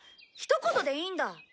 ひと言でいいんだ。